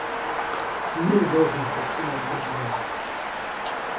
Мир должен придти на Ближний Восток.